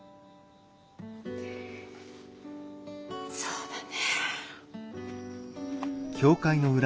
そうだね。